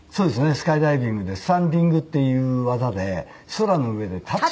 スカイダイビングでスタンディングっていう技で空の上で立つ。